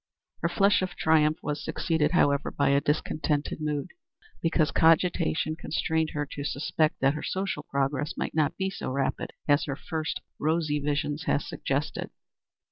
Her flush of triumph was succeeded, however, by a discontented mood, because cogitation constrained her to suspect that her social progress might not be so rapid as her first rosy visions had suggested.